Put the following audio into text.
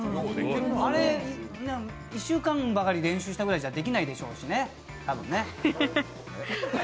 あれ、１週間ばかり練習したぐらいじゃできないでしょうしね、多分ね。